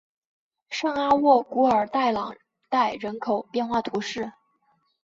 圣阿沃古尔代朗代人口变化图示